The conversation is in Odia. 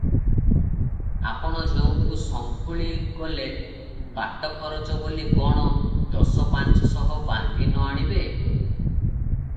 ଆପଣ ଝିଅକୁ ସଙ୍ଖୁଳି ଗଲେ ବାଟଖରଚ ବୋଲି କଣ ଦସ ପାଞ୍ଚଶହ ବାନ୍ଧି ନ ଆଣିବେ?"